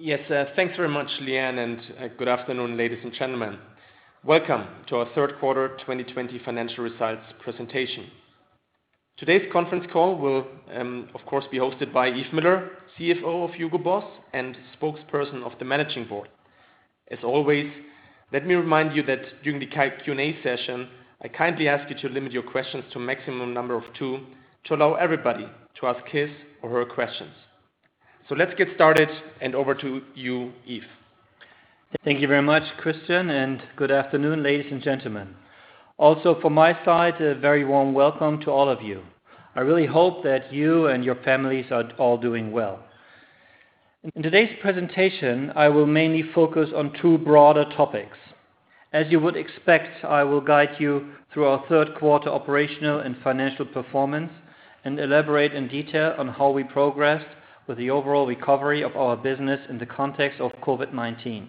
Yes. Thanks very much, Leanne, and good afternoon, ladies and gentlemen. Welcome to our third quarter 2020 financial results presentation. Today's conference call will, of course, be hosted by Yves Müller, Chief Financial Officer of Hugo Boss and spokesperson of the Managing Board. As always, let me remind you that during the Q&A session, I kindly ask you to limit your questions to a maximum number of two to allow everybody to ask his or her questions. Let's get started and over to you, Yves. Thank you very much, Christian, and good afternoon, ladies and gentlemen. Also from my side, a very warm welcome to all of you. I really hope that you and your families are all doing well. In today's presentation, I will mainly focus on two broader topics. As you would expect, I will guide you through our third quarter operational and financial performance and elaborate in detail on how we progressed with the overall recovery of our business in the context of COVID-19.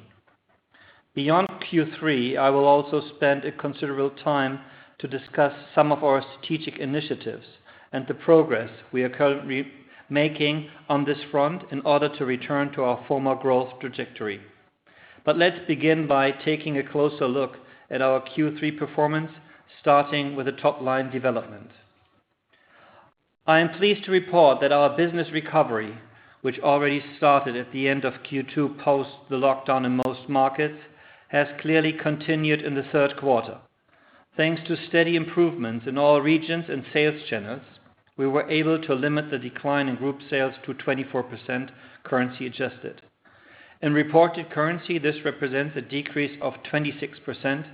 Beyond Q3, I will also spend a considerable time to discuss some of our strategic initiatives and the progress we are currently making on this front in order to return to our former growth trajectory. Let's begin by taking a closer look at our Q3 performance, starting with the top-line development. I am pleased to report that our business recovery, which already started at the end of Q2 post the lockdown in most markets, has clearly continued in the third quarter. Thanks to steady improvements in all regions and sales channels, we were able to limit the decline in group sales to 24%, currency adjusted. In reported currency, this represents a decrease of 26%,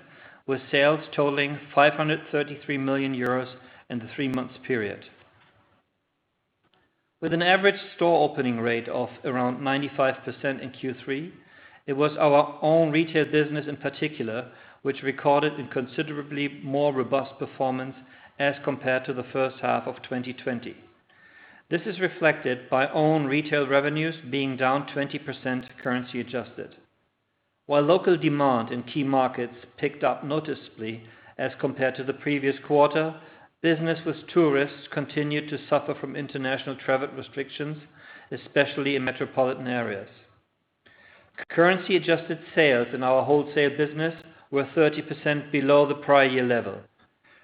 with sales totaling EUR 533 million in the three-month period. With an average store opening rate of around 95% in Q3, it was our own retail business in particular, which recorded a considerably more robust performance as compared to the first half of 2020. This is reflected by own retail revenues being down 20% currency adjusted. While local demand in key markets picked up noticeably as compared to the previous quarter, business with tourists continued to suffer from international travel restrictions, especially in metropolitan areas. Currency-adjusted sales in our wholesale business were 30% below the prior year level.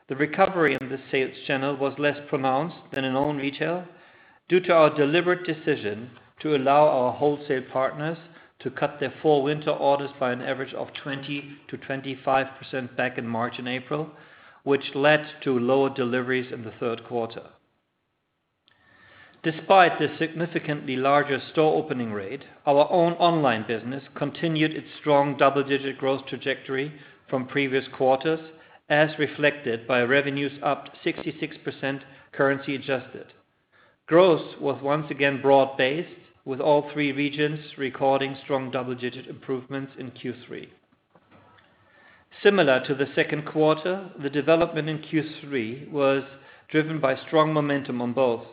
The recovery in this sales channel was less pronounced than in own retail due to our deliberate decision to allow our wholesale partners to cut their fall-winter orders by an average of 20%-25% back in March and April, which led to lower deliveries in the third quarter. Despite the significantly larger store opening rate, our own online business continued its strong double-digit growth trajectory from previous quarters, as reflected by revenues up 66%, currency adjusted. Growth was once again broad-based, with all three regions recording strong double-digit improvements in Q3. Similar to the second quarter, the development in Q3 was driven by strong momentum on both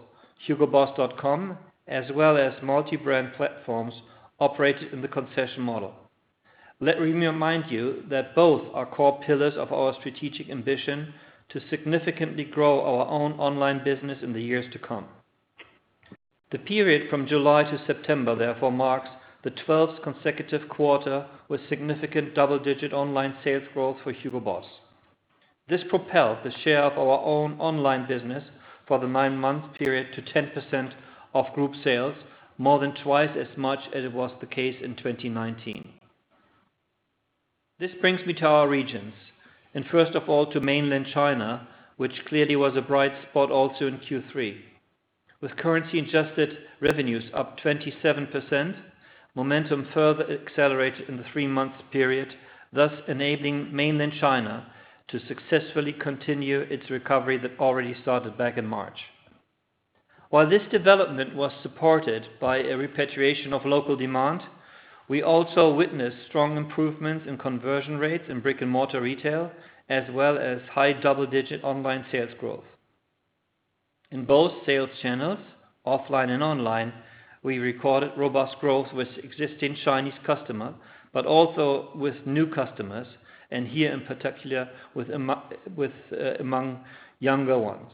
hugoboss.com as well as multi-brand platforms operated in the concession model. Let me remind you that both are core pillars of our strategic ambition to significantly grow our own online business in the years to come. The period from July to September therefore marks the 12th consecutive quarter with significant double-digit online sales growth for Hugo Boss. This propelled the share of our own online business for the nine-month period to 10% of group sales, more than twice as much as it was the case in 2019. This brings me to our regions, and first of all, to mainland China, which clearly was a bright spot also in Q3. With currency-adjusted revenues up 27%, momentum further accelerated in the three-month period, thus enabling mainland China to successfully continue its recovery that already started back in March. While this development was supported by a repatriation of local demand, we also witnessed strong improvements in conversion rates in brick-and-mortar retail, as well as high double-digit online sales growth. In both sales channels, offline and online, we recorded robust growth with existing Chinese customers, but also with new customers, and here in particular, among younger ones.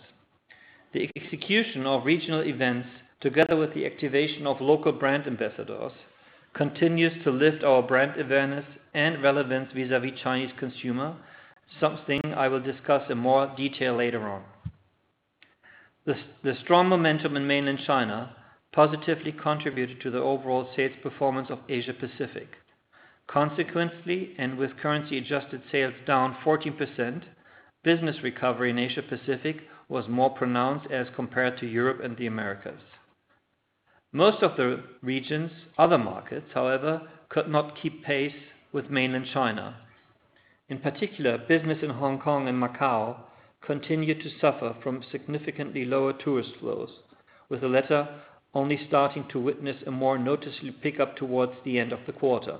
The execution of regional events, together with the activation of local brand ambassadors, continues to lift our brand awareness and relevance vis-à-vis Chinese consumer, something I will discuss in more detail later on. The strong momentum in mainland China positively contributed to the overall sales performance of Asia-Pacific. Consequently, and with currency-adjusted sales down 14%, business recovery in Asia-Pacific was more pronounced as compared to Europe and the Americas. Most of the region's other markets, however, could not keep pace with mainland China. In particular, business in Hong Kong and Macau continued to suffer from significantly lower tourist flows, with the latter only starting to witness a more noticeable pickup towards the end of the quarter.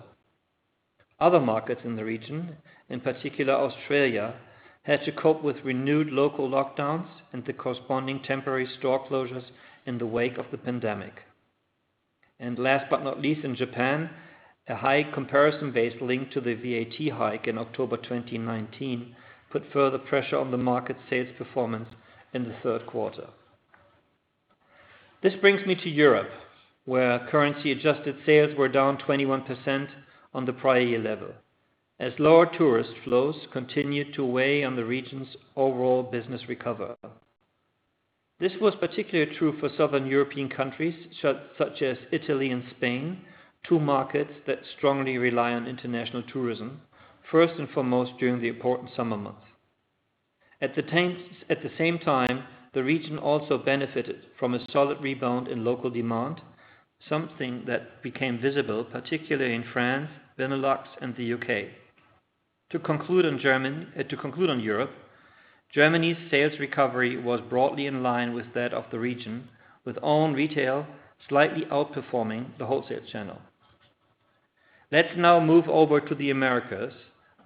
Other markets in the region, in particular Australia, had to cope with renewed local lockdowns and the corresponding temporary store closures in the wake of the pandemic. Last but not least, in Japan. A high comparison base linked to the VAT hike in October 2019 put further pressure on the market sales performance in the third quarter. This brings me to Europe, where currency-adjusted sales were down 21% on the prior year level as lower tourist flows continued to weigh on the region's overall business recovery. This was particularly true for southern European countries such as Italy and Spain, two markets that strongly rely on international tourism, first and foremost during the important summer months. At the same time, the region also benefited from a solid rebound in local demand, something that became visible, particularly in France, Benelux, and the U.K. To conclude on Europe, Germany's sales recovery was broadly in line with that of the region, with own retail slightly outperforming the wholesale channel. Let's now move over to the Americas,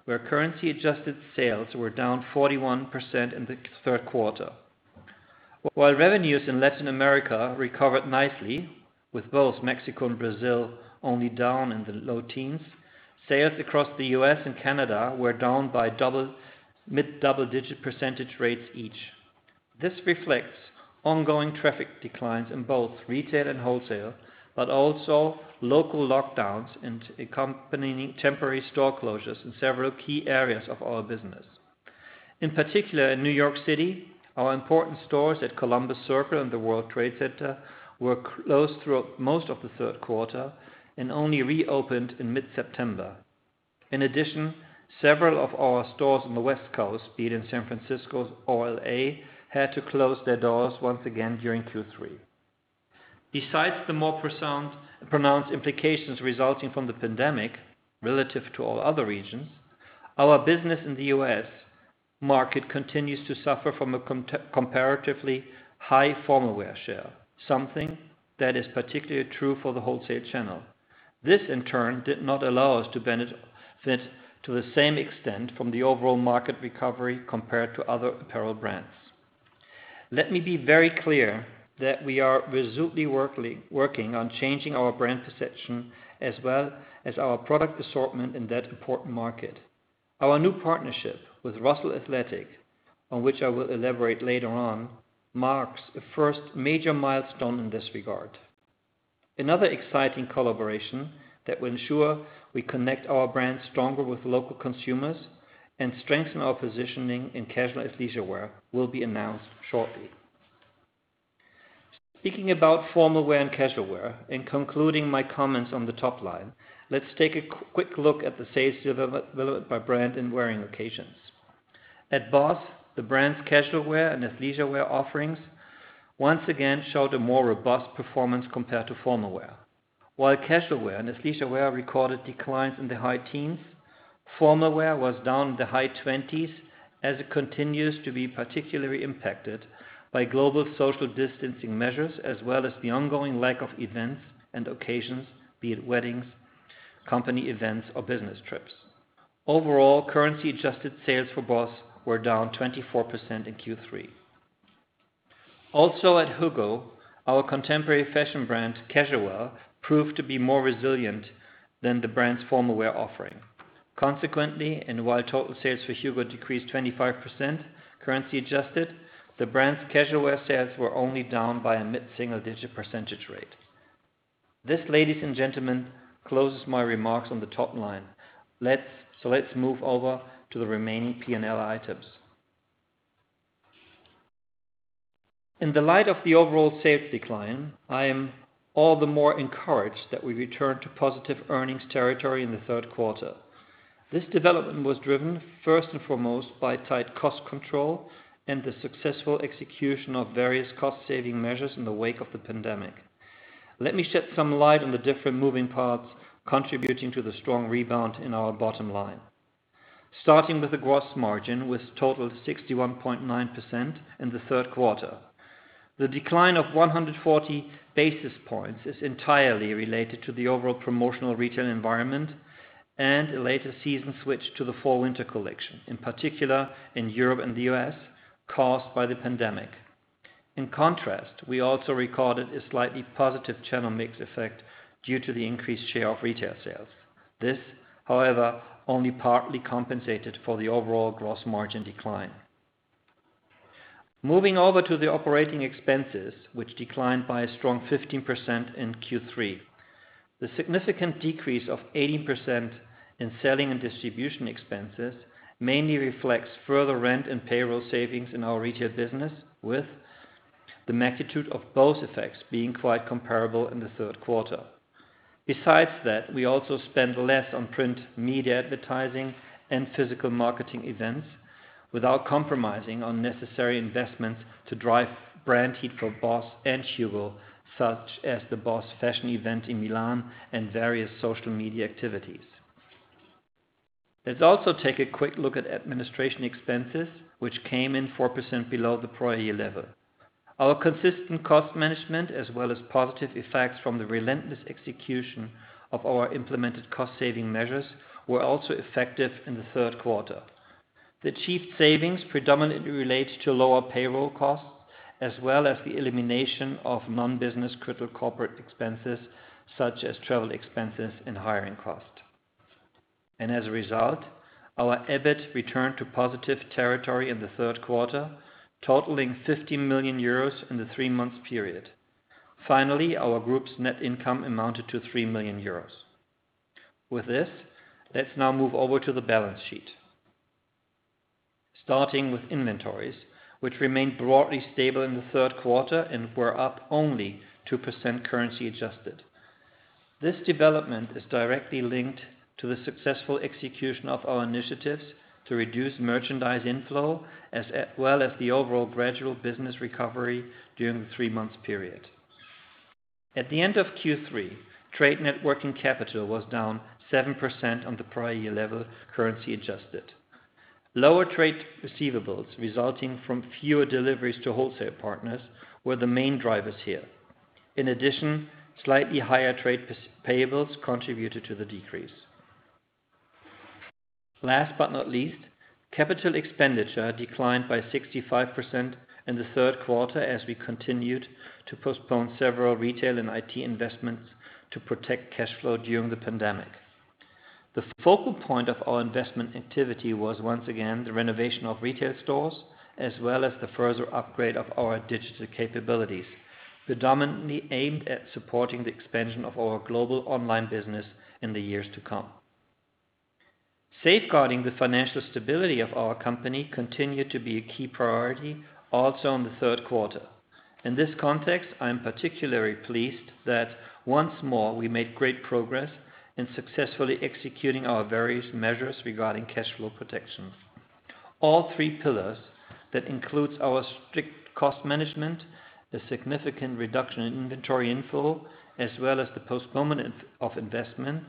where currency-adjusted sales were down 41% in the third quarter. While revenues in Latin America recovered nicely with both Mexico and Brazil only down in the low teens, sales across the U.S. and Canada were down by mid-double-digit percentage rates each. This reflects ongoing traffic declines in both retail and wholesale, but also local lockdowns and accompanying temporary store closures in several key areas of our business. In particular, in New York City, our important stores at Columbus Circle and the World Trade Center were closed throughout most of the third quarter and only reopened in mid-September. In addition, several of our stores on the West Coast, be it in San Francisco or L.A., had to close their doors once again during Q3. Besides the more pronounced implications resulting from the pandemic, relative to all other regions, our business in the U.S. market continues to suffer from a comparatively high formalwear share, something that is particularly true for the wholesale channel. This, in turn, did not allow us to benefit to the same extent from the overall market recovery compared to other apparel brands. Let me be very clear that we are resolutely working on changing our brand perception as well as our product assortment in that important market. Our new partnership with Russell Athletic, on which I will elaborate later on, marks the first major milestone in this regard. Another exciting collaboration that will ensure we connect our brands stronger with local consumers and strengthen our positioning in casual and leisurewear will be announced shortly. Speaking about formalwear and casualwear and concluding my comments on the top line, let's take a quick look at the sales developed by brand and wearing occasions. At BOSS, the brand's casualwear and athleisure wear offerings once again showed a more robust performance compared to formalwear. While casualwear and athleisure wear recorded declines in the high teens, formalwear was down in the high 20s as it continues to be particularly impacted by global social distancing measures, as well as the ongoing lack of events and occasions, be it weddings, company events, or business trips. Overall, currency-adjusted sales for BOSS were down 24% in Q3. Also at HUGO, our contemporary fashion brand, casualwear proved to be more resilient than the brand's formalwear offering. Consequently, and while total sales for HUGO decreased 25% currency adjusted, the brand's casualwear sales were only down by a mid-single-digit percentage rate. This, ladies and gentlemen, closes my remarks on the top line. Let's move over to the remaining P&L items. In the light of the overall sales decline, I am all the more encouraged that we return to positive earnings territory in the third quarter. This development was driven first and foremost by tight cost control and the successful execution of various cost-saving measures in the wake of the pandemic. Let me shed some light on the different moving parts contributing to the strong rebound in our bottom line. Starting with the gross margin, which totaled 61.9% in the third quarter. The decline of 140 basis points is entirely related to the overall promotional retail environment and a later season switch to the fall-winter collection, in particular in Europe and the U.S., caused by the pandemic. In contrast, we also recorded a slightly positive channel mix effect due to the increased share of retail sales. This, however, only partly compensated for the overall gross margin decline. Moving over to the operating expenses, which declined by a strong 15% in Q3. The significant decrease of 18% in selling and distribution expenses mainly reflects further rent and payroll savings in our retail business, with the magnitude of both effects being quite comparable in the third quarter. Besides that, we also spend less on print media advertising and physical marketing events without compromising on necessary investments to drive brand heat for BOSS and HUGO, such as the BOSS fashion event in Milan and various social media activities. Let's also take a quick look at administration expenses, which came in 4% below the prior year level. Our consistent cost management, as well as positive effects from the relentless execution of our implemented cost-saving measures, were also effective in the third quarter. The achieved savings predominantly relates to lower payroll costs, as well as the elimination of non-business critical corporate expenses such as travel expenses and hiring costs. As a result, our EBIT returned to positive territory in the third quarter, totaling 50 million euros in the three-month period. Finally, our group's net income amounted to 3 million euros. With this, let's now move over to the balance sheet. Starting with inventories, which remained broadly stable in the third quarter and were up only 2% currency adjusted. This development is directly linked to the successful execution of our initiatives to reduce merchandise inflow, as well as the overall gradual business recovery during the three-month period. At the end of Q3, trade net working capital was down 7% on the prior year level, currency adjusted. Lower trade receivables resulting from fewer deliveries to wholesale partners were the main drivers here. In addition, slightly higher trade payables contributed to the decrease. Last but not least, capital expenditure declined by 65% in the third quarter as we continued to postpone several retail and IT investments to protect cash flow during the pandemic. The focal point of our investment activity was once again the renovation of retail stores, as well as the further upgrade of our digital capabilities, predominantly aimed at supporting the expansion of our global online business in the years to come. Safeguarding the financial stability of our company continued to be a key priority also in the third quarter. In this context, I am particularly pleased that once more we made great progress in successfully executing our various measures regarding cash flow protections. All three pillars that includes our strict cost management, the significant reduction in inventory inflow, as well as the postponement of investments,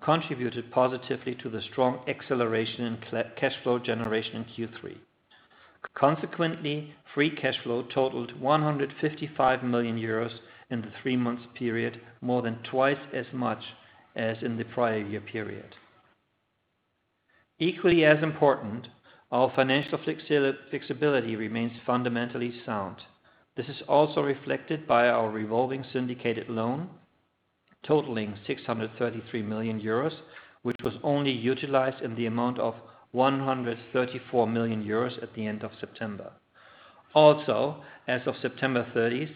contributed positively to the strong acceleration in cash flow generation in Q3. Consequently, free cash flow totaled 155 million euros in the three-month period, more than twice as much as in the prior year period. Equally as important, our financial flexibility remains fundamentally sound. This is also reflected by our revolving syndicated loan totaling EUR 633 million, which was only utilized in the amount of EUR 134 million at the end of September. As of September 30th,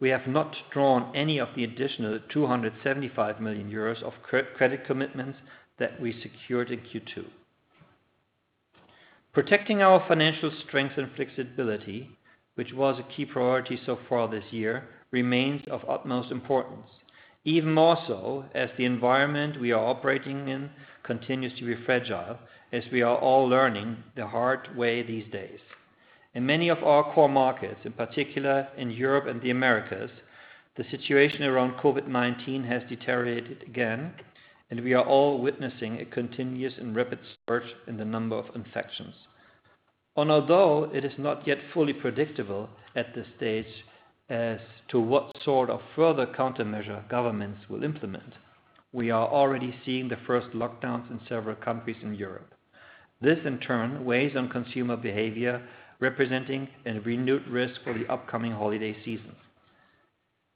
we have not drawn any of the additional 275 million euros of credit commitments that we secured in Q2. Protecting our financial strength and flexibility, which was a key priority so far this year, remains of utmost importance. Even more so, as the environment we are operating in continues to be fragile, as we are all learning the hard way these days. In many of our core markets, in particular in Europe and the Americas, the situation around COVID-19 has deteriorated again, and we are all witnessing a continuous and rapid surge in the number of infections. Although it is not yet fully predictable at this stage as to what sort of further countermeasure governments will implement, we are already seeing the first lockdowns in several countries in Europe. This, in turn, weighs on consumer behavior, representing a renewed risk for the upcoming holiday season.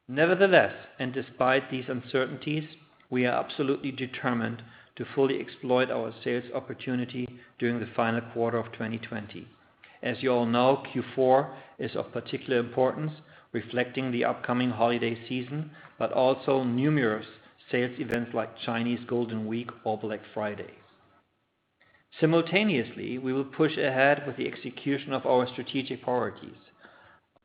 Nevertheless, and despite these uncertainties, we are absolutely determined to fully exploit our sales opportunity during the final quarter of 2020. As you all know, Q4 is of particular importance, reflecting the upcoming holiday season, but also numerous sales events like Chinese Golden Week or Black Friday. Simultaneously, we will push ahead with the execution of our strategic priorities.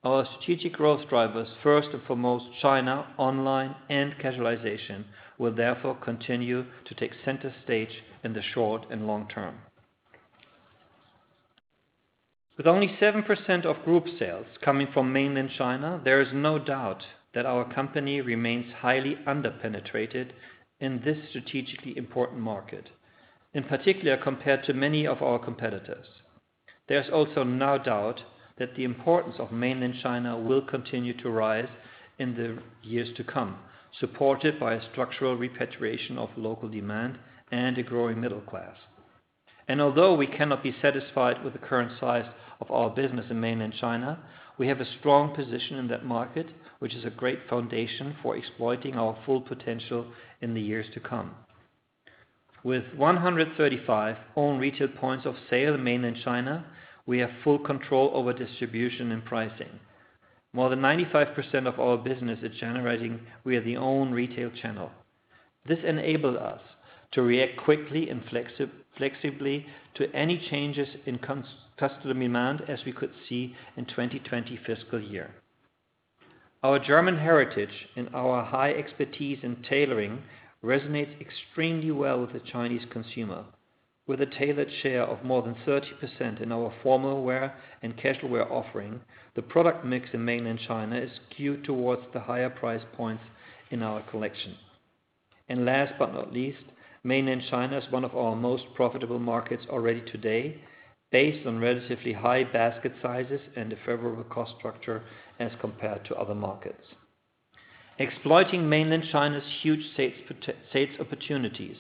Our strategic growth drivers, first and foremost, China, online and casualization, will therefore continue to take center stage in the short and long term. With only 7% of group sales coming from mainland China, there is no doubt that our company remains highly under-penetrated in this strategically important market, in particular, compared to many of our competitors. There is also no doubt that the importance of mainland China will continue to rise in the years to come, supported by a structural repatriation of local demand and a growing middle class. Although we cannot be satisfied with the current size of our business in mainland China, we have a strong position in that market, which is a great foundation for exploiting our full potential in the years to come. With 135 own retail points of sale in mainland China, we have full control over distribution and pricing. More than 95% of our business is generating via the own retail channel. This enabled us to react quickly and flexibly to any changes in customer demand as we could see in 2020 fiscal year. Our German heritage and our high expertise in tailoring resonates extremely well with the Chinese consumer. With a tailored share of more than 30% in our formal wear and casual wear offering, the product mix in Mainland China is skewed towards the higher price points in our collection. Last but not least, Mainland China is one of our most profitable markets already today, based on relatively high basket sizes and a favorable cost structure as compared to other markets. Exploiting Mainland China's huge sales opportunities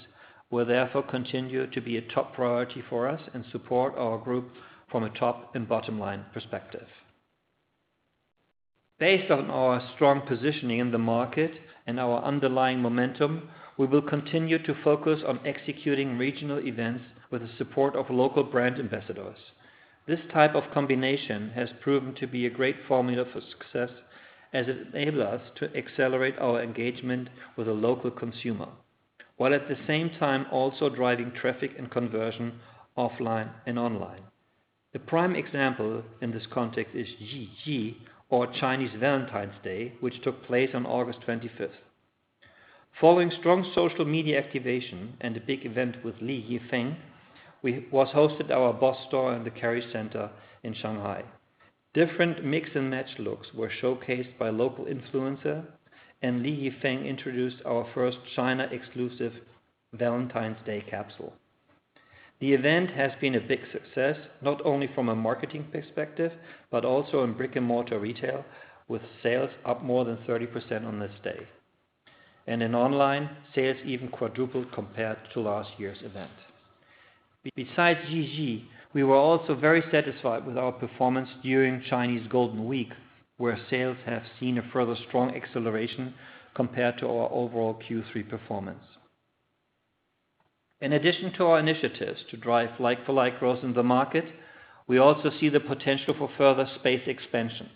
will therefore continue to be a top priority for us and support our group from a top and bottom line perspective. Based on our strong positioning in the market and our underlying momentum, we will continue to focus on executing regional events with the support of local brand ambassadors. This type of combination has proven to be a great formula for success as it enables us to accelerate our engagement with a local consumer, while at the same time also driving traffic and conversion offline and online. The prime example in this context is Qixi, or Chinese Valentine's Day, which took place on August 25th. Following strong social media activation and a big event with Li Yifeng, was hosted our BOSS store in the Kerry Center in Shanghai. Different mix and match looks were showcased by local influencer, and Li Yifeng introduced our first China exclusive Valentine's Day capsule. The event has been a big success, not only from a marketing perspective, but also in brick-and-mortar retail, with sales up more than 30% on this day. In online, sales even quadrupled compared to last year's event. Besides Qixi, we were also very satisfied with our performance during Chinese Golden Week, where sales have seen a further strong acceleration compared to our overall Q3 performance. In addition to our initiatives to drive like-for-like growth in the market, we also see the potential for further space expansion.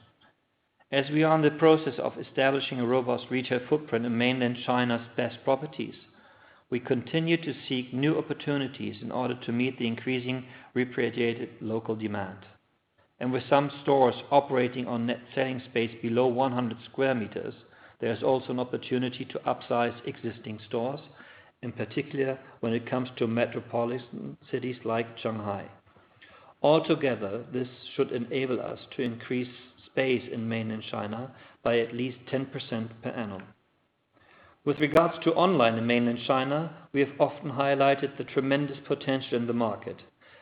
As we are in the process of establishing a robust retail footprint in Mainland China's best properties, we continue to seek new opportunities in order to meet the increasing repatriated local demand. With some stores operating on net selling space below 100 square meters, there is also an opportunity to upsize existing stores, in particular, when it comes to metropolitan cities like Shanghai. Altogether, this should enable us to increase space in Mainland China by at least 10% per annum. With regards to online in Mainland China, we have often highlighted the tremendous potential in the market.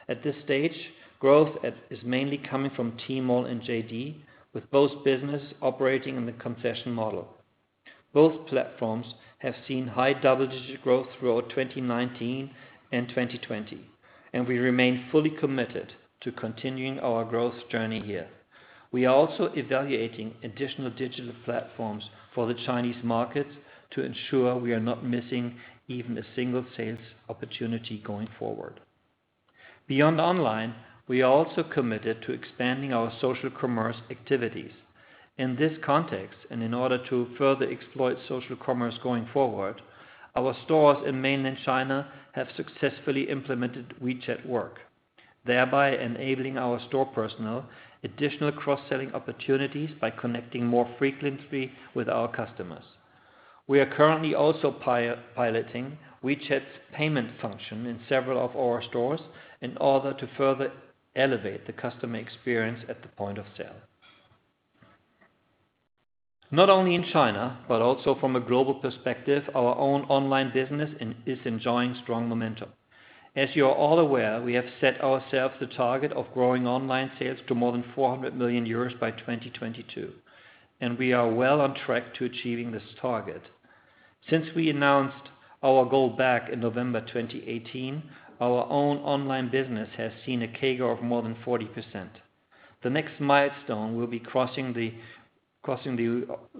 At this stage, growth is mainly coming from Tmall and JD, with both business operating in the concession model. Both platforms have seen high double-digit growth throughout 2019 and 2020, and we remain fully committed to continuing our growth journey here. We are also evaluating additional digital platforms for the Chinese market to ensure we are not missing even a single sales opportunity going forward. Beyond online, we are also committed to expanding our social commerce activities. In this context, and in order to further exploit social commerce going forward, our stores in Mainland China have successfully implemented WeChat Work, thereby enabling our store personnel additional cross-selling opportunities by connecting more frequently with our customers. We are currently also piloting WeChat's payment function in several of our stores in order to further elevate the customer experience at the point of sale. Not only in China, but also from a global perspective, our own online business is enjoying strong momentum. As you are all aware, we have set ourselves the target of growing online sales to more than 400 million by 2022, and we are well on track to achieving this target. Since we announced our goal back in November 2018, our own online business has seen a CAGR of more than 40%. The next milestone will be crossing the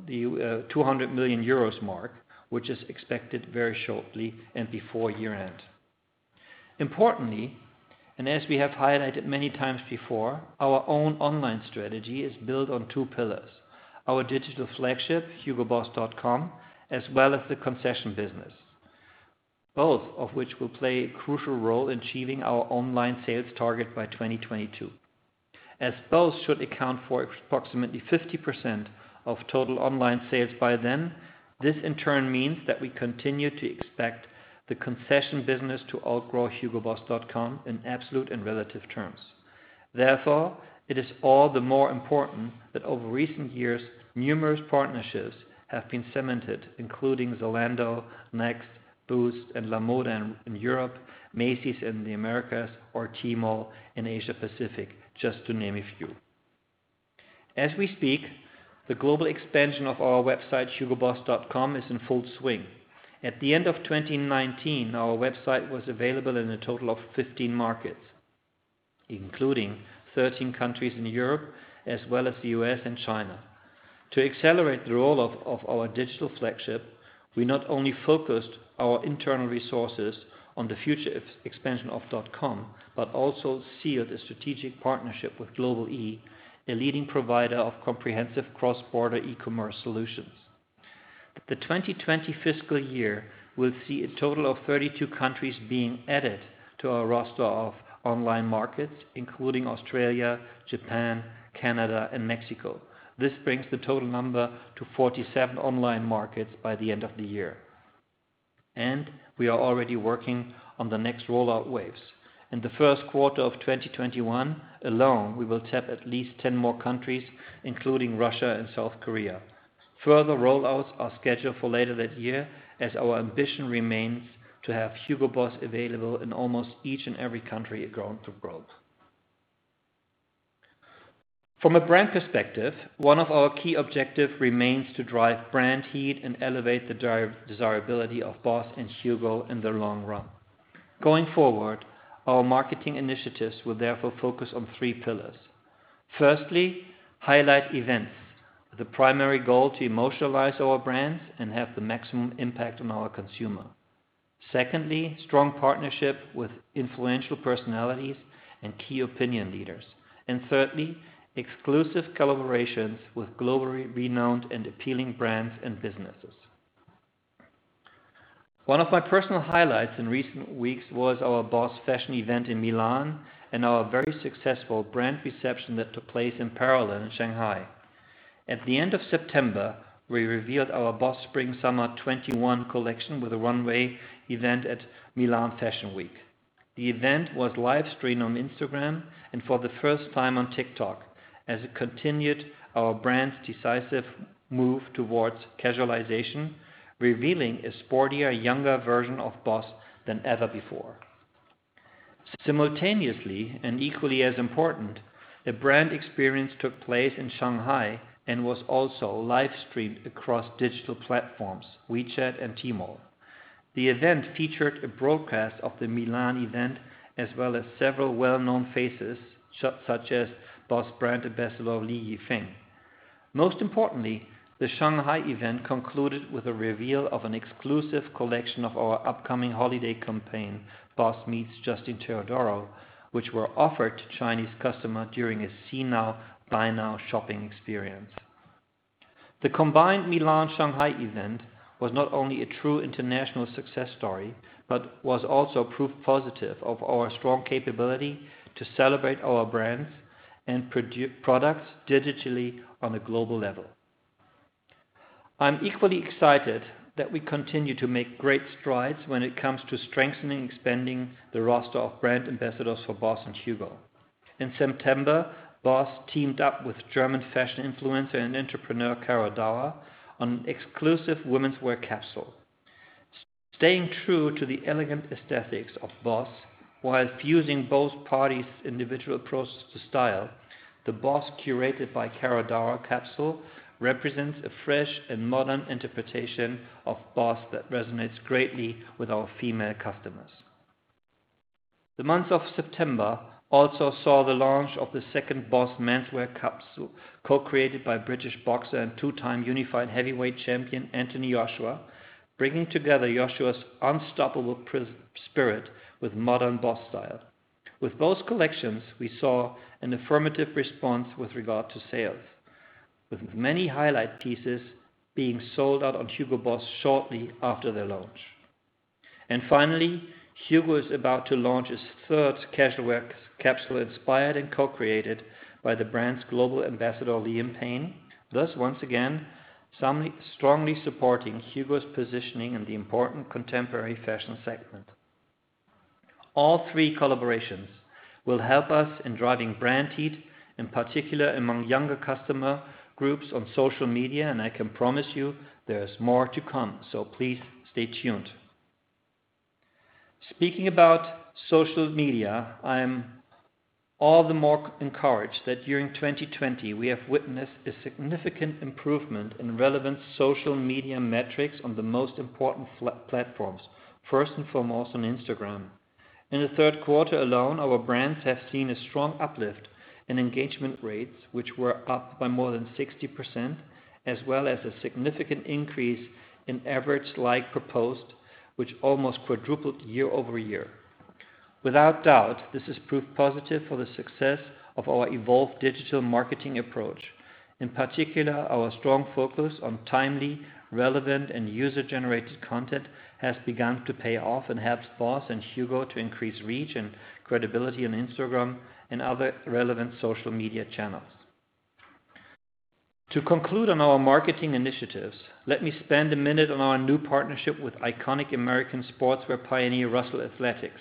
200 million euros mark, which is expected very shortly and before year-end. Importantly, and as we have highlighted many times before, our own online strategy is built on two pillars. Our digital flagship, hugoboss.com, as well as the concession business, both of which will play a crucial role in achieving our online sales target by 2022. As both should account for approximately 50% of total online sales by then, this in turn means that we continue to expect the concession business to outgrow hugoboss.com in absolute and relative terms. Therefore, it is all the more important that over recent years, numerous partnerships have been cemented, including Zalando, Next, Boozt, and Lamoda in Europe, Macy's in the Americas, or Tmall in Asia Pacific, just to name a few. As we speak, the global expansion of our website, hugoboss.com, is in full swing. At the end of 2019, our website was available in a total of 15 markets, including 13 countries in Europe, as well as the U.S. and China. To accelerate the role of our digital flagship, we not only focused our internal resources on the future expansion of .com, but also sealed a strategic partnership with Global-e, a leading provider of comprehensive cross-border e-commerce solutions. The 2020 fiscal year will see a total of 32 countries being added to our roster of online markets, including Australia, Japan, Canada, and Mexico. This brings the total number to 47 online markets by the end of the year. We are already working on the next rollout waves. In the first quarter of 2021 alone, we will tap at least 10 more countries, including Russia and South Korea. Further rollouts are scheduled for later that year, as our ambition remains to have Hugo Boss available in almost each and every country around the globe. From a brand perspective, one of our key objectives remains to drive brand heat and elevate the desirability of BOSS and HUGO in the long run. Going forward, our marketing initiatives will therefore focus on three pillars. Firstly, highlight events. The primary goal to emotionalize our brands and have the maximum impact on our consumer. Secondly, strong partnership with influential personalities and key opinion leaders. Thirdly, exclusive collaborations with globally renowned and appealing brands and businesses. One of my personal highlights in recent weeks was our BOSS fashion event in Milan, and our very successful brand reception that took place in parallel in Shanghai. At the end of September, we revealed our BOSS spring-summer 2021 collection with a runway event at Milan Fashion Week. The event was live-streamed on Instagram, and for the first time on TikTok, as it continued our brand's decisive move towards casualization, revealing a sportier, younger version of BOSS than ever before. Simultaneously, and equally as important, a brand experience took place in Shanghai and was also live-streamed across digital platforms, WeChat and Tmall. The event featured a broadcast of the Milan event, as well as several well-known faces, such as BOSS brand ambassador, Li Yifeng. Most importantly, the Shanghai event concluded with a reveal of an exclusive collection of our upcoming holiday campaign, BOSS x Justin Teodoro, which were offered to Chinese customers during a see-now, buy-now shopping experience. The combined Milan Shanghai event was not only a true international success story, but was also proof positive of our strong capability to celebrate our brands and products digitally on a global level. I'm equally excited that we continue to make great strides when it comes to strengthening and expanding the roster of brand ambassadors for BOSS and HUGO. In September, BOSS teamed up with German fashion influencer and entrepreneur, Caro Daur, on an exclusive womenswear capsule. Staying true to the elegant aesthetics of BOSS, while fusing both parties' individual approach to style, the BOSS curated by Caro Daur capsule represents a fresh and modern interpretation of BOSS that resonates greatly with our female customers. The month of September also saw the launch of the second BOSS menswear capsule, co-created by British boxer and two-time unified heavyweight champion, Anthony Joshua, bringing together Joshua's unstoppable spirit with modern BOSS style. With both collections, we saw an affirmative response with regard to sales, with many highlight pieces being sold out on hugoboss.com shortly after their launch. Finally, HUGO is about to launch its third casualwear capsule inspired and co-created by the brand's global ambassador, Liam Payne. Thus, once again, strongly supporting HUGO's positioning in the important contemporary fashion segment. All three collaborations will help us in driving brand heat, in particular among younger customer groups on social media, and I can promise you there is more to come, so please stay tuned. Speaking about social media, I am all the more encouraged that during 2020, we have witnessed a significant improvement in relevant social media metrics on the most important platforms. First and foremost, on Instagram. In the third quarter alone, our brands have seen a strong uplift in engagement rates, which were up by more than 60%, as well as a significant increase in average likes per post, which almost quadrupled YoY. Without doubt, this is proof positive for the success of our evolved digital marketing approach. In particular, our strong focus on timely, relevant, and user-generated content has begun to pay off and helps BOSS and HUGO to increase reach and credibility on Instagram and other relevant social media channels. To conclude on our marketing initiatives, let me spend a minute on our new partnership with iconic American sportswear pioneer, Russell Athletic.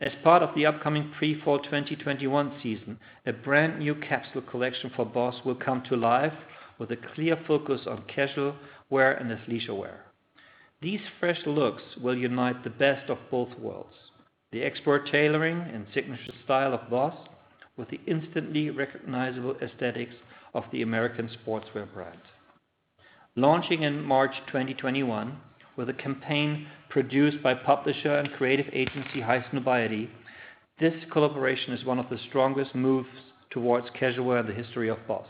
As part of the upcoming pre-fall 2021 season, a brand-new capsule collection for BOSS will come to life, with a clear focus on casual wear and athleisure wear. These fresh looks will unite the best of both worlds. The expert tailoring and signature style of BOSS with the instantly recognizable aesthetics of the American sportswear brand. Launching in March 2021, with a campaign produced by publisher and creative agency, Highsnobiety, this collaboration is one of the strongest moves towards casual wear in the history of BOSS.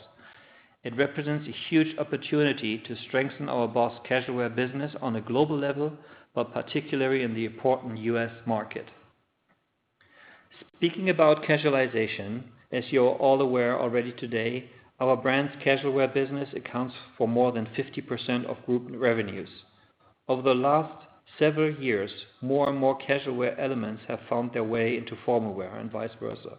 It represents a huge opportunity to strengthen our BOSS casual wear business on a global level, but particularly in the important U.S. market. Speaking about casualization, as you're all aware already today, our brand's casual wear business accounts for more than 50% of group revenues. Over the last several years, more and more casual wear elements have found their way into formal wear and vice versa.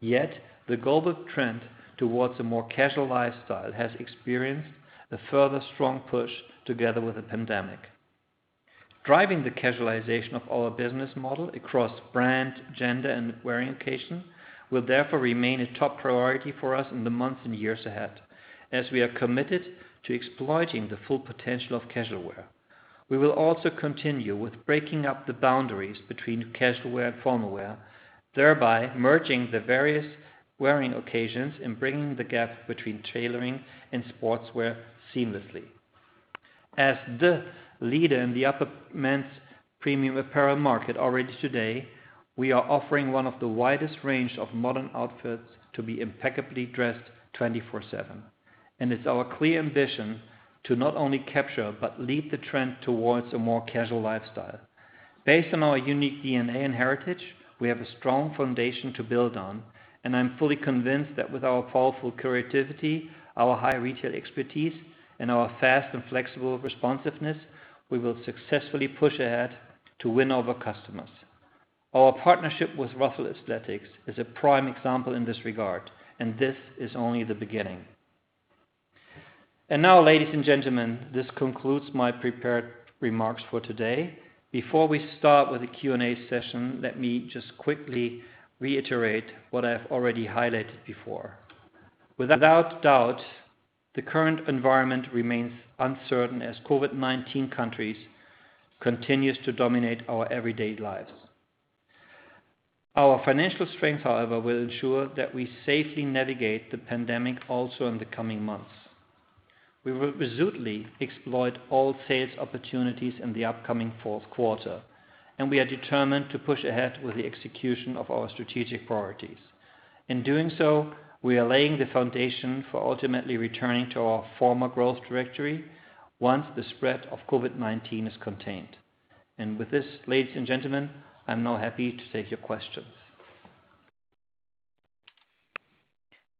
The global trend towards a more casual lifestyle has experienced a further strong push together with the pandemic. Driving the casualization of our business model across brand, gender, and wearing occasion, will therefore remain a top priority for us in the months and years ahead, as we are committed to exploiting the full potential of casual wear. We will also continue with breaking up the boundaries between casual wear and formal wear, thereby merging the various wearing occasions and bridging the gap between tailoring and sportswear seamlessly. As the leader in the upper men's premium apparel market already today, we are offering one of the widest range of modern outfits to be impeccably dressed 24/7. It's our clear ambition to not only capture but lead the trend towards a more casual lifestyle. Based on our unique DNA and heritage, we have a strong foundation to build on, and I'm fully convinced that with our powerful creativity, our high retail expertise, and our fast and flexible responsiveness, we will successfully push ahead to win over customers. Our partnership with Russell Athletic is a prime example in this regard, and this is only the beginning. Now, ladies and gentlemen, this concludes my prepared remarks for today. Before we start with the Q&A session, let me just quickly reiterate what I've already highlighted before. Without doubt, the current environment remains uncertain as COVID-19 continues to dominate our everyday lives. Our financial strength, however, will ensure that we safely navigate the pandemic also in the coming months. We will resolutely exploit all sales opportunities in the upcoming fourth quarter, and we are determined to push ahead with the execution of our strategic priorities. In doing so, we are laying the foundation for ultimately returning to our former growth trajectory once the spread of COVID-19 is contained. With this, ladies and gentlemen, I'm now happy to take your questions.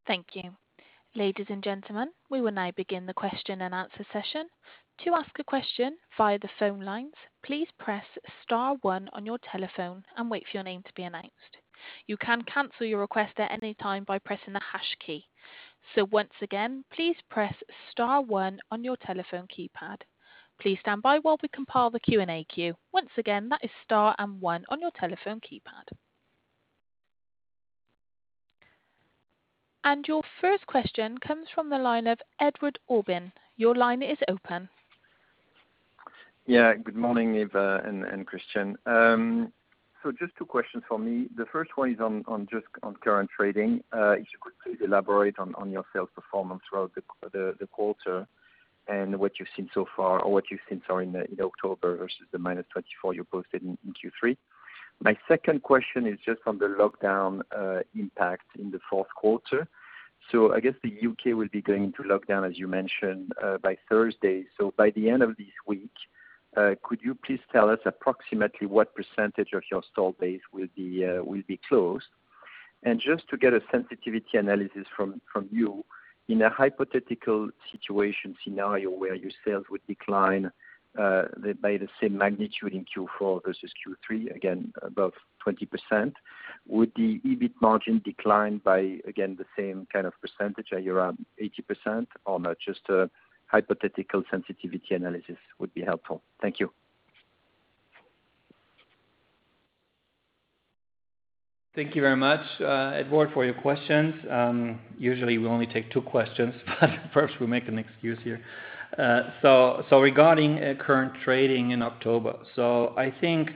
Thank you. Ladies and gentlemen, we will now begin the question and answer session. To ask a question via the phone lines, please press star one on your telephone and wait for your name to be announced. You can cancel your request at any time by pressing the hash key. Once again, please press star one on your telephone keypad. Please stand by while we compile the Q&A queue. Once again, that is star and one on your telephone keypad. Your first question comes from the line of Edouard Aubin. Your line is open. Good morning, Yves and Christian. Just two questions from me. The first one is on current trading. If you could please elaborate on your sales performance throughout the quarter and what you've seen so far or what you've seen so far in October versus the -24% you posted in Q3. My second question is just on the lockdown impact in the fourth quarter. I guess the U.K. will be going into lockdown, as you mentioned, by Thursday. By the end of this week, could you please tell us approximately what percentage of your store base will be closed? Just to get a sensitivity analysis from you, in a hypothetical situation scenario where your sales would decline by the same magnitude in Q4 versus Q3, again, above 20%, would the EBIT margin decline by, again, the same kind of percentage, around 80%, or no? Just a hypothetical sensitivity analysis would be helpful. Thank you. Thank you very much, Edouard, for your questions. Usually we only take two questions, but perhaps we make an excuse here. Regarding current trading in October. I think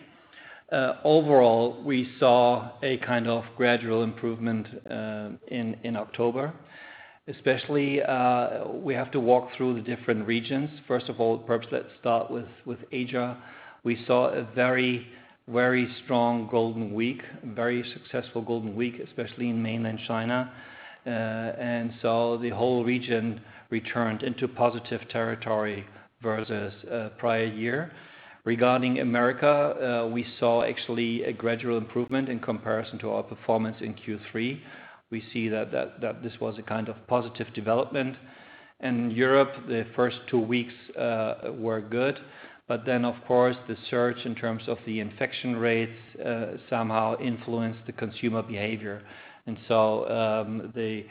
overall, we saw a kind of gradual improvement in October, especially, we have to walk through the different regions. First of all, perhaps let's start with Asia. We saw a very strong Golden Week, very successful Golden Week, especially in mainland China. The whole region returned into positive territory versus prior year. Regarding America, we saw actually a gradual improvement in comparison to our performance in Q3. We see that this was a kind of positive development. In Europe, the first two weeks were good. Of course, the surge in terms of the infection rates somehow influenced the consumer behavior. The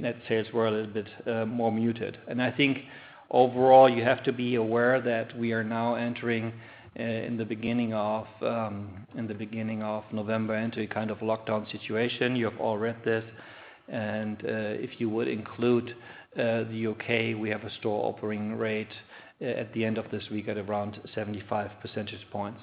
net sales were a little bit more muted. I think overall, you have to be aware that we are now entering, in the beginning of November, into a kind of lockdown situation. You have all read this. If you would include the U.K., we have a store opening rate at the end of this week at around 75 percentage points.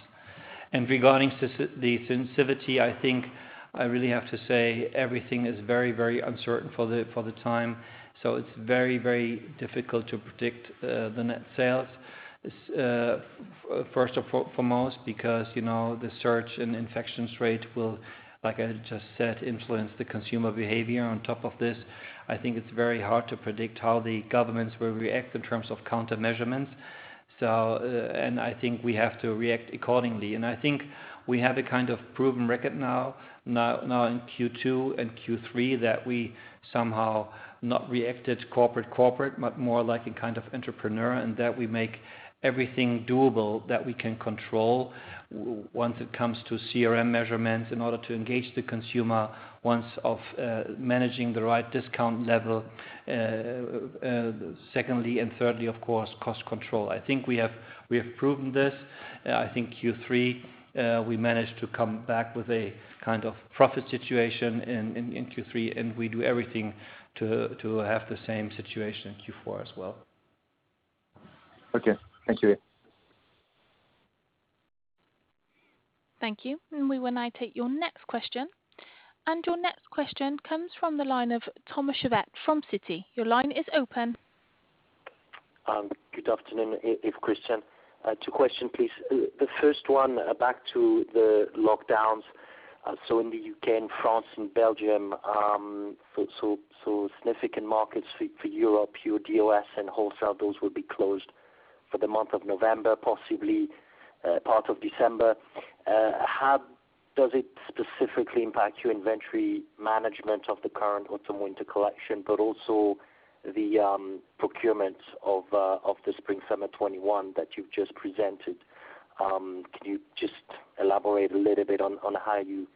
Regarding the sensitivity, I think I really have to say everything is very uncertain for the time. It's very difficult to predict the net sales. First and foremost, because the surge in infections rate will, like I just said, influence the consumer behavior on top of this. I think it's very hard to predict how the governments will react in terms of counter measurements. I think we have to react accordingly. I think we have a kind of proven record now in Q2 and Q3 that we somehow not reacted corporate, but more like a kind of entrepreneur, and that we make everything doable that we can control once it comes to CRM measurements in order to engage the consumer once of managing the right discount level. Secondly, thirdly, of course, cost control. I think we have proven this. I think Q3, we managed to come back with a kind of profit situation in Q3, and we do everything to have the same situation in Q4 as well. Okay. Thank you. Thank you. We will now take your next question. Your next question comes from the line of Thomas Chauvet from Citi. Your line is open. Good afternoon. Yves, Christian. Two question, please. The first one, back to the lockdowns. In the U.K. and France and Belgium, so significant markets for Europe, your DOS and wholesale, those will be closed for the month of November, possibly part of December. How does it specifically impact your inventory management of the current autumn/winter collection, but also the procurement of the spring/summer 2021 that you've just presented? Can you just elaborate a little bit on how you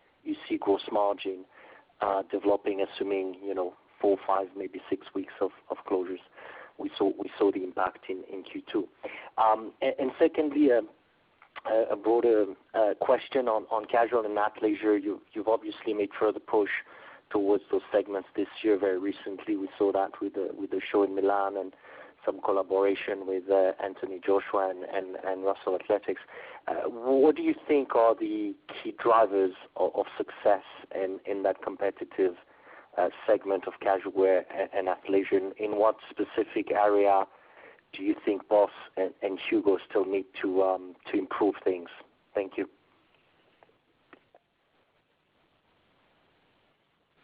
see gross margin developing, assuming four, five, maybe six weeks of closures? We saw the impact in Q2. Secondly, a broader question on casual and athleisure. You've obviously made further push towards those segments this year. Very recently, we saw that with the show in Milan and some collaboration with Anthony Joshua and Russell Athletic. What do you think are the key drivers of success in that competitive segment of casual wear and athleisure? In what specific area do you think BOSS and HUGO still need to improve things? Thank you.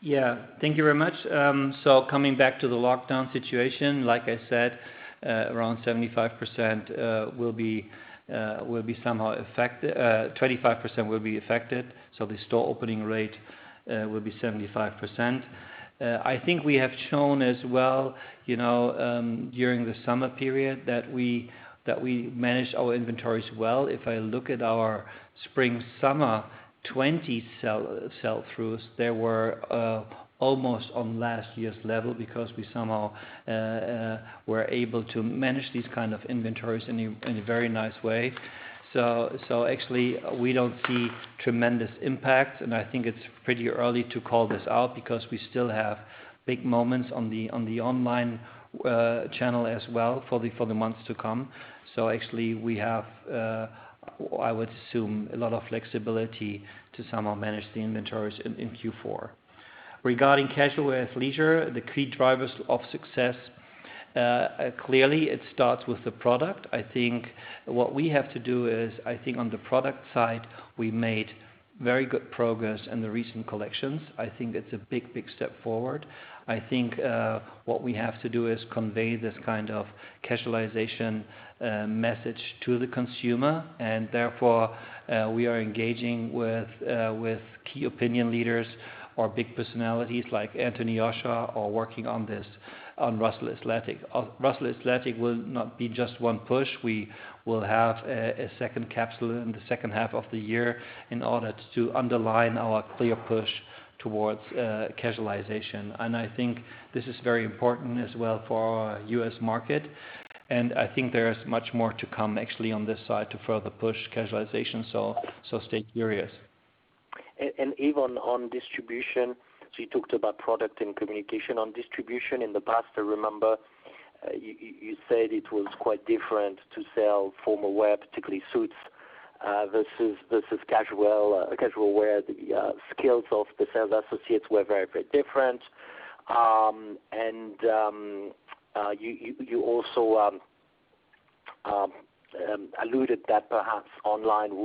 Yeah. Thank you very much. Coming back to the lockdown situation, like I said, around 25% will be affected. The store opening rate will be 75%. I think we have shown as well, during the summer period, that we managed our inventories well. If I look at our spring/summer 2020 sell-throughs, they were almost on last year's level because we somehow were able to manage these kind of inventories in a very nice way. Actually, we don't see tremendous impact, and I think it's pretty early to call this out because we still have big moments on the online channel as well for the months to come. Actually, we have, I would assume, a lot of flexibility to somehow manage the inventories in Q4. Regarding casual wear, athleisure, the key drivers of success, clearly it starts with the product. I think what we have to do is, I think on the product side, we made very good progress in the recent collections. I think it's a big step forward. I think what we have to do is convey this kind of casualization message to the consumer, and therefore, we are engaging with key opinion leaders or big personalities like Anthony Joshua or working on Russell Athletic. Russell Athletic will not be just one push. We will have a second capsule in the second half of the year in order to underline our clear push towards casualization. I think this is very important as well for our U.S. market. I think there is much more to come actually on this side to further push casualization. Stay curious. Yves, on distribution. You talked about product and communication on distribution. In the past, I remember you said it was quite different to sell formal wear, particularly suits, versus casual wear. The skills of the sales associates were very different. You also alluded that perhaps online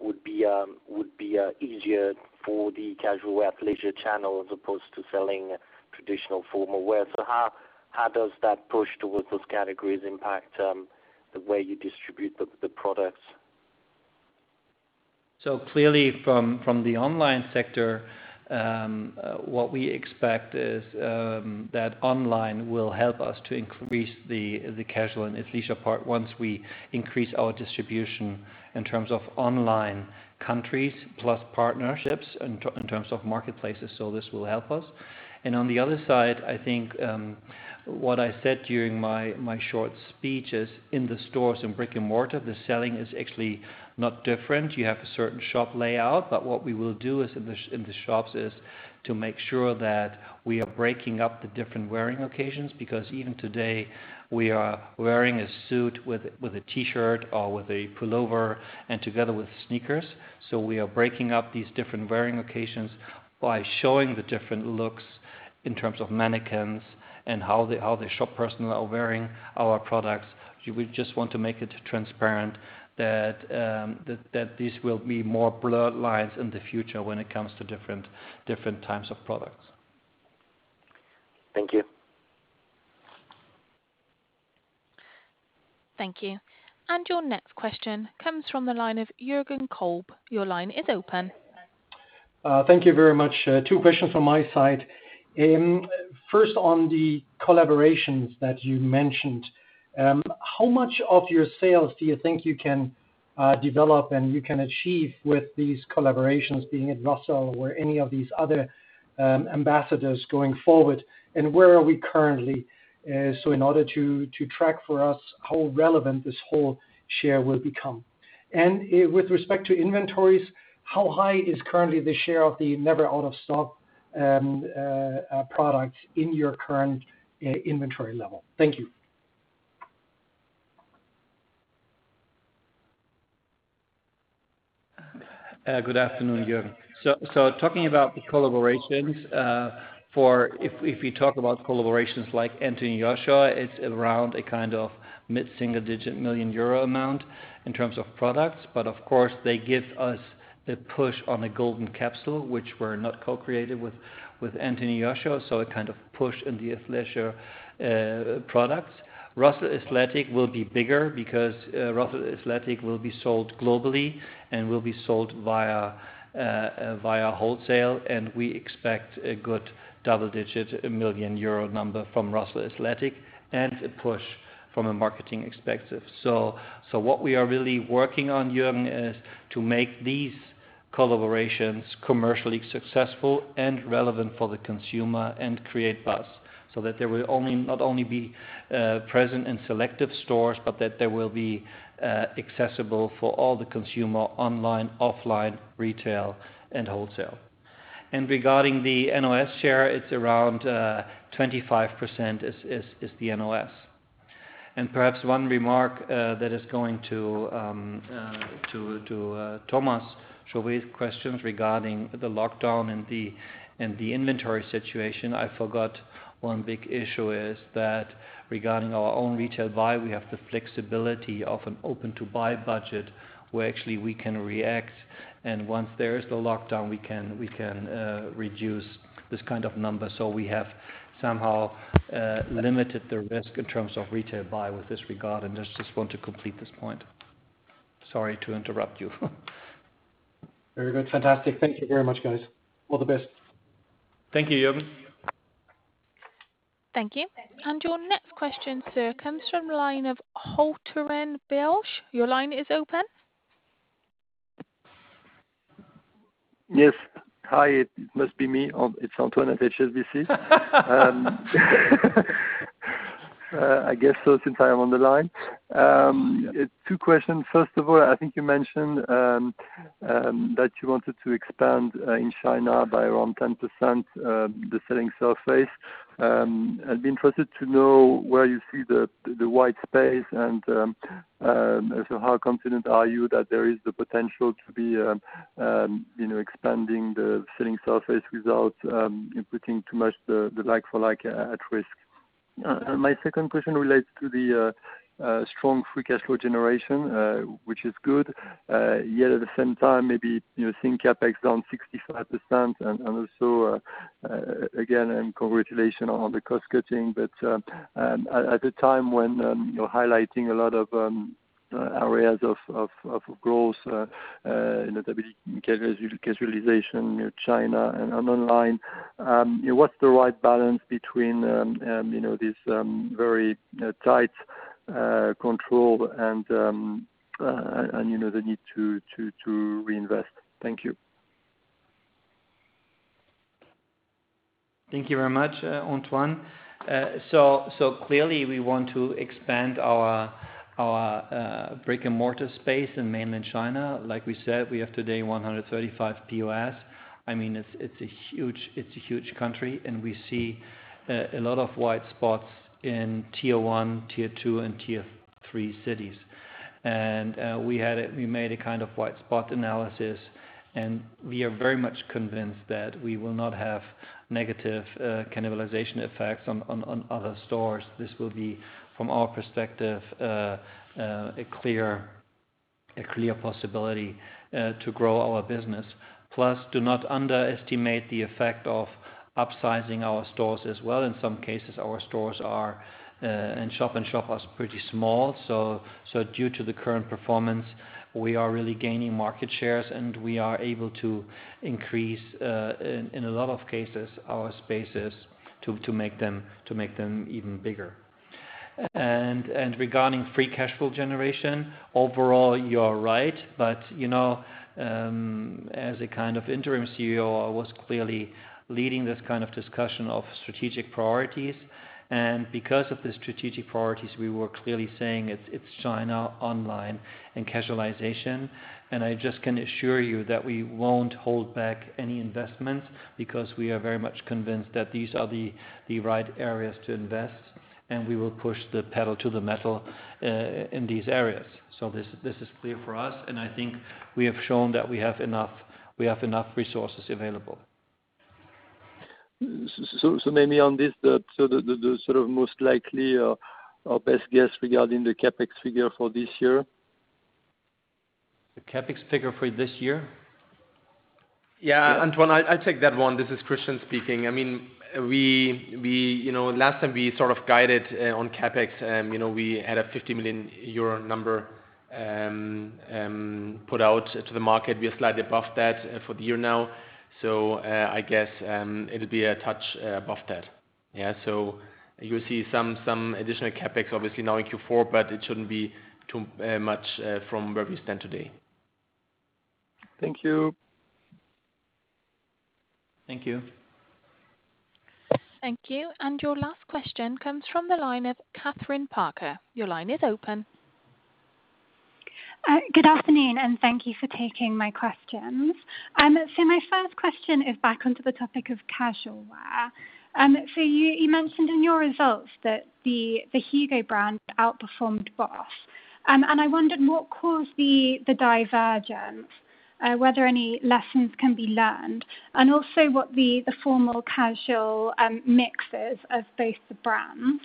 would be easier for the casual wear, athleisure channel as opposed to selling traditional formal wear. How does that push towards those categories impact the way you distribute the products? Clearly from the online sector, what we expect is that online will help us to increase the casual and athleisure part once we increase our distribution in terms of online countries plus partnerships in terms of marketplaces. This will help us. On the other side, I think what I said during my short speech is in the stores, in brick and mortar, the selling is actually not different. You have a certain shop layout, but what we will do in the shops is to make sure that we are breaking up the different wearing occasions, because even today we are wearing a suit with a T-shirt or with a pullover and together with sneakers. We are breaking up these different wearing occasions by showing the different looks in terms of mannequins and how the shop personnel are wearing our products. We just want to make it transparent that these will be more blurred lines in the future when it comes to different types of products. Thank you. Thank you. Your next question comes from the line of Jürgen Kolb. Your line is open. Thank you very much. Two questions from my side. First, on the collaborations that you mentioned. How much of your sales do you think you can develop and you can achieve with these collaborations, being it Russell or any of these other ambassadors going forward? Where are we currently? In order to track for us how relevant this whole share will become. With respect to inventories, how high is currently the share of the never out of stock products in your current inventory level? Thank you. Good afternoon, Jürgen. Talking about the collaborations, if we talk about collaborations like Anthony Joshua, it's around a mid-single-digit million euro amount in terms of products. Of course, they give us a push on a golden capsule, which we now co-created with Anthony Joshua, a kind of push in the athleisure products. Russell Athletic will be bigger because Russell Athletic will be sold globally and will be sold via wholesale, and we expect a good double-digit million euro number from Russell Athletic and a push from a marketing perspective. What we are really working on, Jürgen, is to make these collaborations commercially successful and relevant for the consumer and create buzz so that they will not only be present in selective stores, but that they will be accessible for all the consumer online, offline, retail, and wholesale. Regarding the NOS share, it's around 25% is the NOS. Perhaps one remark that is going to Thomas Chauvet questions regarding the lockdown and the inventory situation? I forgot one big issue is that regarding our own retail buy, we have the flexibility of an open-to-buy budget where actually we can react and once there is the lockdown, we can reduce this kind of number. We have somehow limited the risk in terms of retail buy with this regard. I just want to complete this point. Sorry to interrupt you. Very good. Fantastic. Thank you very much, guys. All the best. Thank you, Jürgen. Thank you. Your next question, sir, comes from line of Antoine Belge. Your line is open. Yes. Hi. It must be me. It's Antoine at HSBC. I guess so since I am on the line. Two questions. First of all, I think you mentioned that you wanted to expand in China by around 10% the selling surface. I'd be interested to know where you see the white space and how confident are you that there is the potential to be expanding the selling surface without inputting too much the like-for-like at risk? My second question relates to the strong free cash flow generation which is good. Yet at the same time, maybe, seeing CapEx down 65% and also, again, and congratulations on all the cost cutting. At a time when you're highlighting a lot of areas of growth in the casualization China and online. What's the right balance between this very tight control and the need to reinvest? Thank you. Thank you very much, Antoine. Clearly we want to expand our brick-and-mortar space in mainland China. Like we said, we have today 135 POS. It's a huge country and we see a lot of white spots in tier one, tier two, and tier three cities. We made a kind of white spot analysis, and we are very much convinced that we will not have negative cannibalization effects on other stores. This will be, from our perspective, a clear possibility to grow our business. Plus, do not underestimate the effect of upsizing our stores as well. In some cases, our stores are in shop, and shop was pretty small. Due to the current performance, we are really gaining market shares and we are able to increase in a lot of cases, our spaces to make them even bigger. Regarding free cash flow generation, overall, you are right. As a kind of interim Chief Executive Officer, I was clearly leading this kind of discussion of strategic priorities. Because of the strategic priorities, we were clearly saying it's China online and casualization. I just can assure you that we won't hold back any investments because we are very much convinced that these are the right areas to invest and we will push the pedal to the metal in these areas. This is clear for us and I think we have shown that we have enough resources available. Maybe on this, the sort of most likely or best guess regarding the CapEx figure for this year? The CapEx figure for this year? Yeah, Antoine, I'll take that one. This is Christian speaking. Last time we sort of guided on CapEx, we had a EUR 50 million number put out to the market. We are slightly above that for the year now. I guess it'll be a touch above that. Yeah. You'll see some additional CapEx obviously now in Q4, but it shouldn't be too much from where we stand today. Thank you. Thank you. Thank you. Your last question comes from the line of Kathryn Parker. Your line is open Good afternoon, and thank you for taking my questions. My first question is back onto the topic of casual wear. You mentioned in your results that the HUGO brand outperformed BOSS. I wondered what caused the divergence, whether any lessons can be learned, and also what the formal casual mix is of both the brands.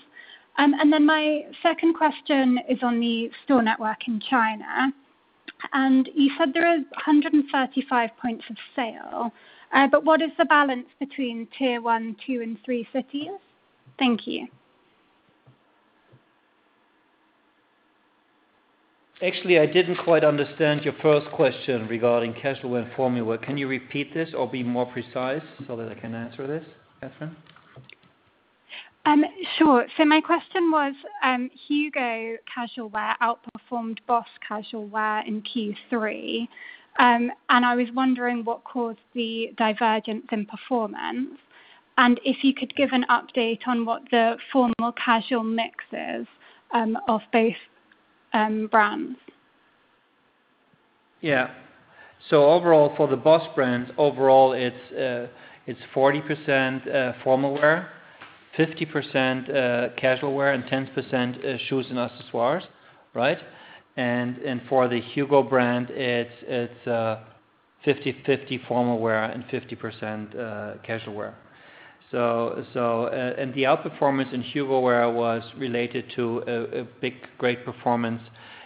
My second question is on the store network in China. You said there are 135 points of sale. What is the balance between tier one, two and three cities? Thank you. Actually, I didn't quite understand your first question regarding casual wear and formal wear. Can you repeat this or be more precise so that I can answer this, Kathryn? Sure. My question was HUGO casual wear outperformed BOSS casual wear in Q3. I was wondering what caused the divergence in performance, and if you could give an update on what the formal casual mix is of both brands. Yeah. Overall, for the BOSS brand, it's 40% formal wear, 50% casual wear, and 10% shoes and accessories. Right? For the HUGO brand, it's 50% formal wear and 50% casual wear. The outperformance in HUGO wear was related to a big, great performance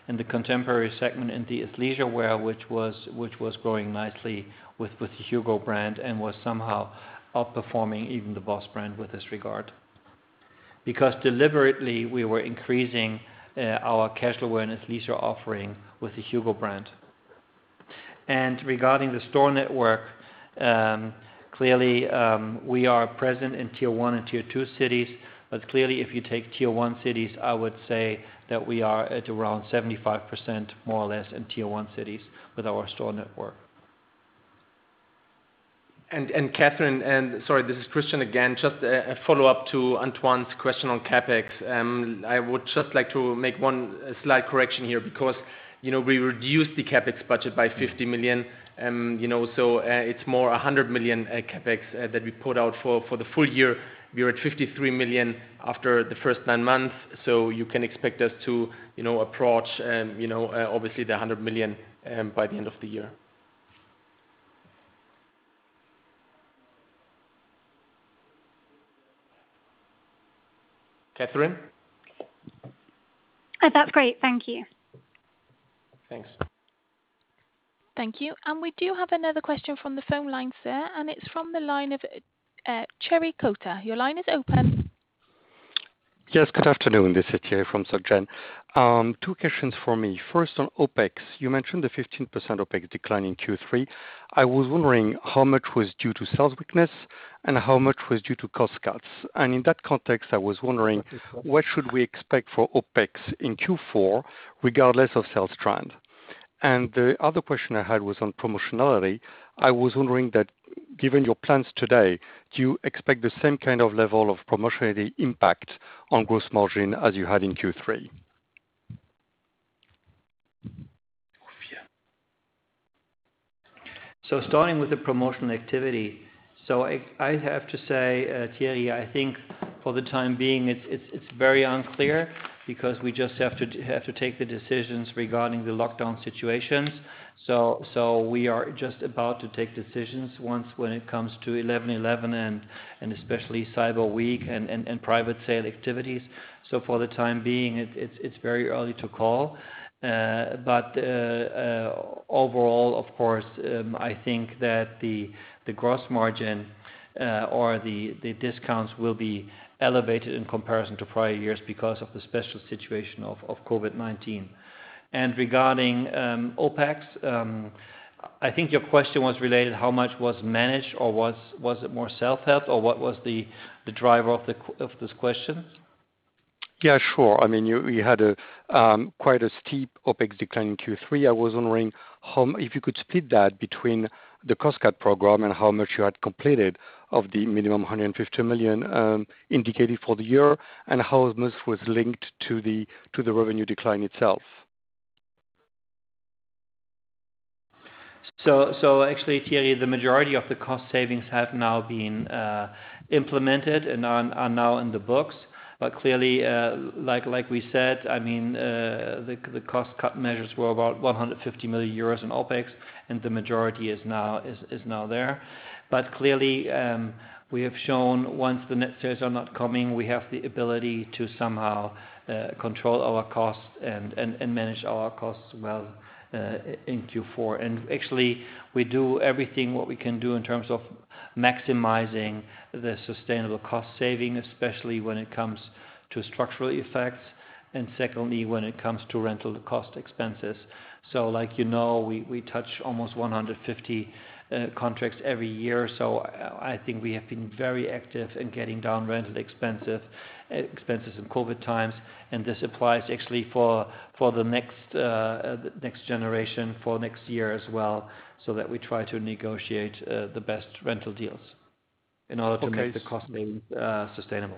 in the contemporary segment in the athleisure wear, which was growing nicely with the HUGO brand and was somehow outperforming even the BOSS brand with this regard. Deliberately, we were increasing our casual wear and athleisure offering with the HUGO brand. Regarding the store network, clearly, we are present in tier one and tier two cities. Clearly, if you take tier one cities, I would say that we are at around 75%, more or less, in tier one cities with our store network. Kathryn, this is Christian again. Just a follow-up to Antoine's question on CapEx. I would just like to make one slight correction here because we reduced the CapEx budget by 50 million, so it's more 100 million CapEx that we put out for the full year. We are at 53 million after the first nine months. You can expect us to approach, obviously, the 100 million by the end of the year. Kathryn? That's great. Thank you. Thanks. Thank you. We do have another question from the phone line, sir. It's from the line of Thierry Cota. Your line is open. Yes, good afternoon. This is Thierry from Société Générale. Two questions for me. First, on OpEx, you mentioned the 15% OpEx decline in Q3. I was wondering how much was due to sales weakness and how much was due to cost cuts. In that context, I was wondering what should we expect for OpEx in Q4 regardless of sales trend. The other question I had was on promotionality. I was wondering that given your plans today, do you expect the same kind of level of promotionality impact on gross margin as you had in Q3? Starting with the promotional activity. I have to say, Thierry, I think for the time being it's very unclear because we just have to take the decisions regarding the lockdown situations. We are just about to take decisions once when it comes to 11.11 and especially Cyber Week and private sale activities. For the time being, it's very early to call. Overall, of course, I think that the gross margin or the discounts will be elevated in comparison to prior years because of the special situation of COVID-19. Regarding OpEx, I think your question was related how much was managed or was it more self-help, or what was the driver of this question? You had quite a steep OpEx decline in Q3. I was wondering if you could split that between the cost cut program and how much you had completed of the minimum 150 million indicated for the year, and how much was linked to the revenue decline itself. Actually, Thierry, the majority of the cost savings have now been implemented and are now in the books. Clearly, like we said, the cost cut measures were about 150 million euros in OpEx, and the majority is now there. Clearly, we have shown once the net sales are not coming, we have the ability to somehow control our costs and manage our costs well in Q4. Actually, we do everything what we can do in terms of maximizing the sustainable cost saving, especially when it comes to structural effects and secondly, when it comes to rental cost expenses. Like you know, we touch almost 150 contracts every year. I think we have been very active in getting down rental expenses in COVID times, and this applies actually for the next generation, for next year as well, so that we try to negotiate the best rental deals in order to make the cost sustainable.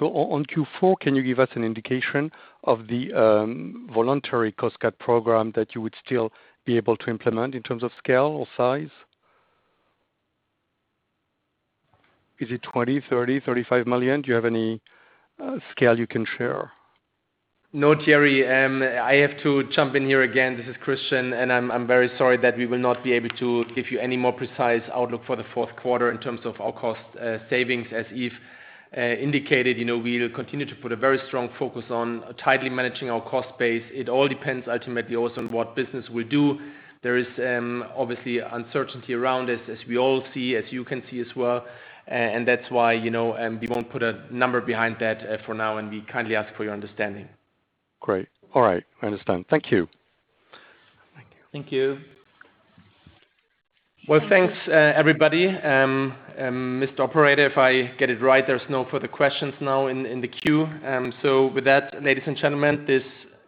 On Q4, can you give us an indication of the voluntary cost cut program that you would still be able to implement in terms of scale or size? Is it 20 million, 30 million, 35 million? Do you have any scale you can share? No, Thierry, I have to jump in here again. This is Christian. I'm very sorry that we will not be able to give you any more precise outlook for the fourth quarter in terms of our cost savings. As Yves indicated, we'll continue to put a very strong focus on tightly managing our cost base. It all depends ultimately also on what business we do. There is obviously uncertainty around us as we all see, as you can see as well. That's why we won't put a number behind that for now. We kindly ask for your understanding. Great. All right. I understand. Thank you. Thank you. Well, thanks, everybody. Mr. Operator, if I get it right, there is no further questions now in the queue. With that, ladies and gentlemen, this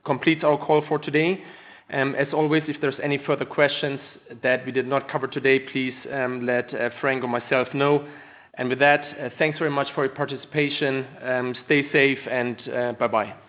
completes our call for today. As always, if there is any further questions that we did not cover today, please let Frank or myself know. With that, thanks very much for your participation. Stay safe, and bye-bye.